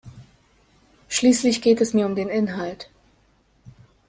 Schließlich geht es mir um den Inhalt.